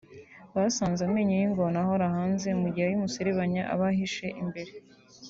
Basanze amenyo y’ingona ahora hanze mu gihe ay’umuserebanya aba ahishe imbere